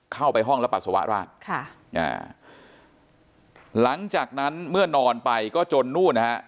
เข้าไปห้องแล้วปัสสาวะราชค่ะอ่าหลังจากนั้นเมื่อนอนไปก็จนนู่นนะฮะ